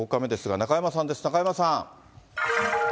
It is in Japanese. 中山さん。